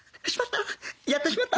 しまった！